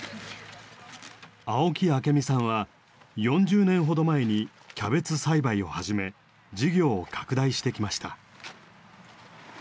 青木朱美さんは４０年ほど前にキャベツ栽培を始め事業を拡大してきました。